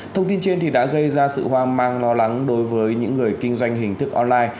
thông tin trên đã gây ra sự hoang mang lo lắng đối với những người kinh doanh hình thức online